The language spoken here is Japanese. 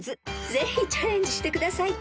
［ぜひチャレンジしてください］